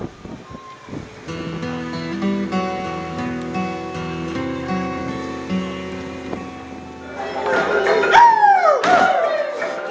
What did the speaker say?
menelisik tanah borneo menyusuri keelokannya